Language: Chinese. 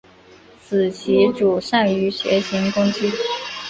此棋组善于斜行攻击。